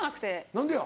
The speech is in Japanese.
何でや？